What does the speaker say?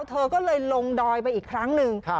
เธอก็เลยลงดอยไปอีกครั้งหนึ่ง